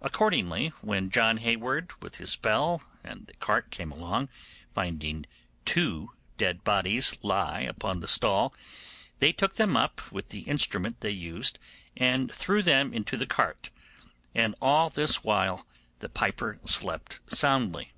Accordingly, when John Hayward with his bell and the cart came along, finding two dead bodies lie upon the stall, they took them up with the instrument they used and threw them into the cart, and, all this while the piper slept soundly.